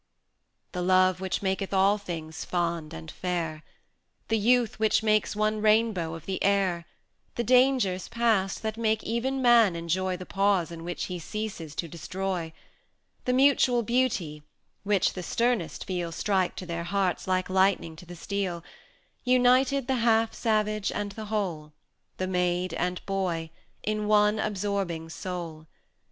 XIII. The love which maketh all things fond and fair, The youth which makes one rainbow of the air, The dangers past, that make even Man enjoy 300 The pause in which he ceases to destroy, The mutual beauty, which the sternest feel Strike to their hearts like lightning to the steel, United the half savage and the whole, The maid and boy, in one absorbing soul.